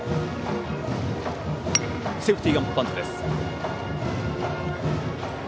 セーフティーバントです。